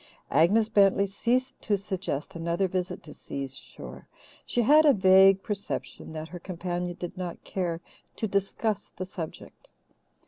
Agnes Bentley ceased to suggest another visit to Si's shore. She had a vague perception that her companion did not care to discuss the subject.